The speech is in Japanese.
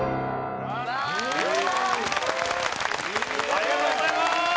ありがとうございます。